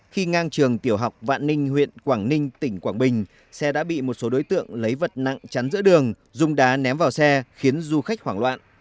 khi ngang trường tiểu học vạn ninh huyện quảng ninh tỉnh quảng bình xe đã bị một số đối tượng lấy vật nặng chắn giữa đường dùng đá ném vào xe khiến du khách hoảng loạn